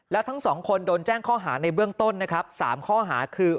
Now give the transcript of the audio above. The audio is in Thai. แล้วทั้งสองคนโดนแจ้งข้อหาในเบื้องต้นนะครับ๓ข้อหาคือ